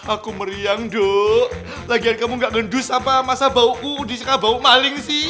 aku meriang dok lagian kamu gak gendus apa masa bauku disekala bau maling sih